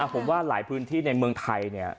ผมว่าหลายพื้นที่ในเมืองไทยเนี่ย